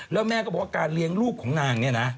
แล้วแม่ก็บอกว่าการเลี้ยงลูกของนางเนี่ยนะ